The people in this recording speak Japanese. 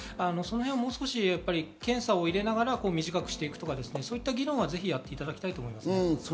もう少し検査を入れながら短くするとかそういう議論はぜひやっていただきたいと思います。